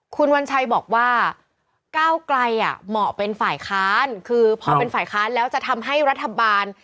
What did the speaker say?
คุณวัญชัยบอกว่าก้าวไกลเหมาะเป็นฝ่ายค้านคือพอเป็นฝ่ายค้านแล้วจะทำให้รัฐบาล